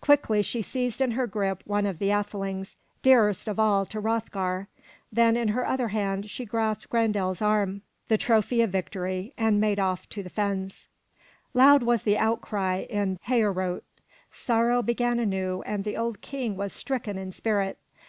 Quickly she seized in her grip one of the athelings, dearest of all to Hroth'gar, then in her other hand she grasped Grendel's arm, the trophy of victory, and made off to the fens. 420 FROM THE TOWER WINDOW Loud was the outcry in Heorot. Sorrow began anew and the old King was stricken in spirit.